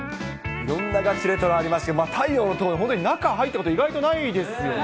いろんなガチレトロがありましたが、太陽の塔の本当に中入ったこと、意外とないですよね。